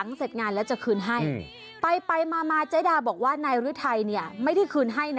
นั่นคือสิ่งที่เจดาบอก